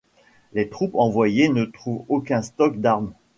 Les troupes envoyées ne trouvent aucun stock d'armes.